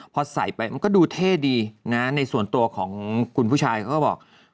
พอใส่ไปมันก็ดูเท่ดีนะในส่วนตัวของคุณผู้ชายเขาก็บอก